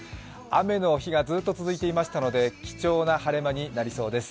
雨の日がずっと続いていましたので貴重な晴れ間になりそうです。